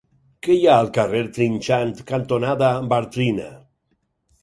Què hi ha al carrer Trinxant cantonada Bartrina?